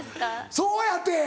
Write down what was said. そうやて。